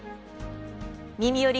「みみより！